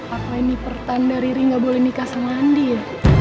apa ini pertanda riri nggak boleh nikah sama andi